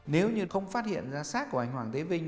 nếu như không phát hiện ra sát của anh hoàng tế vinh